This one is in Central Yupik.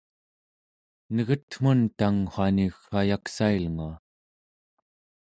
negetmun tang waniw’ ayaksailngua